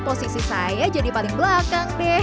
posisi saya jadi paling belakang deh